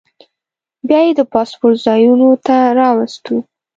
بیا یې د پاسپورټ ځایونو ته راوستو.